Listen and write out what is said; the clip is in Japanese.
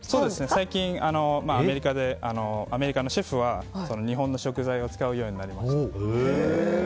最近、アメリカのシェフは日本の食材を使うようになりました。